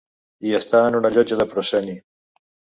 I estar en una llotja de prosceni.